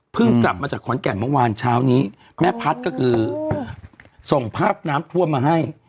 กลับมาจากขอนแก่นเมื่อวานเช้านี้แม่พัฒน์ก็คือส่งภาพน้ำท่วมมาให้